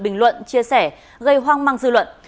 bình luận chia sẻ gây hoang măng dư luận